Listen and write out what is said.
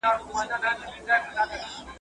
o پر خواره مځکه هر واښه شين کېږي.